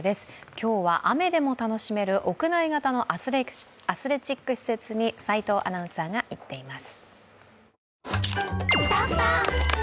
今日は雨でも楽しめる屋内型のアスレチック施設に齋藤アナウンサーが行っています。